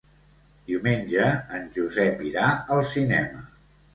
Diumenge en Josep irà al cinema.